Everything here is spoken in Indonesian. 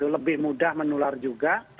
lebih mudah menular juga